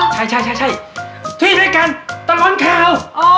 ใช่ใช่ใช่ใช่ที่ด้วยกันตลอดข่าว